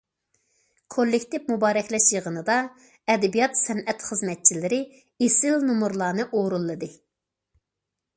كوللېكتىپ مۇبارەكلەش يىغىنىدا، ئەدەبىيات- سەنئەت خىزمەتچىلىرى ئېسىل نومۇرلارنى ئورۇنلىدى.